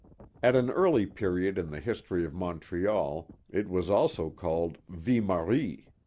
At an early period in the history of Montreal it was also called Ville Marie.